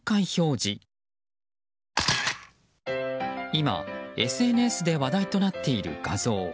今、ＳＮＳで話題となっている画像。